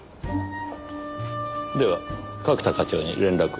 では角田課長に連絡を。